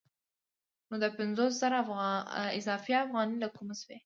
نو دا پنځوس زره اضافي افغانۍ له کومه شوې